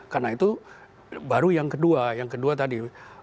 karena itu baru yang kedua yang kedua tadi